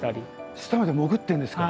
下まで潜ってるんですか？